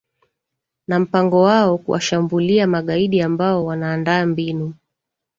na mpango wao kuwashambulia magaidi ambao wanaandaa mbinu